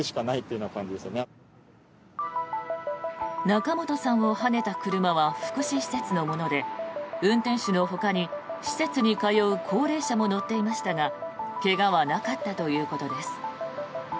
仲本さんをはねた車は福祉施設のもので運転手のほかに施設に通う高齢者も乗っていましたが怪我はなかったということです。